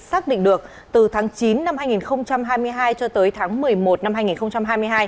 xác định được từ tháng chín năm hai nghìn hai mươi hai cho tới tháng một mươi một năm hai nghìn hai mươi hai